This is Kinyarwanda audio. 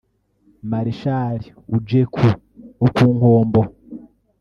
Marshal Ujeku [wo ku Nkombo]